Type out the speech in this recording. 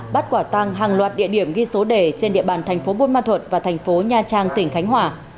bắt quả tăng hàng loạt địa điểm ghi số đề trên địa bàn tp bôn ma thuật và tp nha trang tỉnh khánh hòa